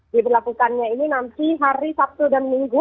diberlakukannya ini nanti hari sabtu dan minggu